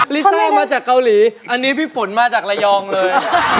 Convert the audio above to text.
ลิซ่ามาจากเกาหลีอันนี้พี่ฝนมาจากระยองเลย